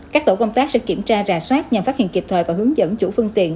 các tổ công tác sẽ kiểm tra rà soát nhằm phát hiện kịp thời và hướng dẫn chủ phương tiện